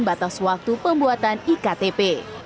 batas waktu pembuatan iktp